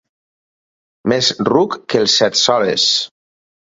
Més ruc que el Set-soles.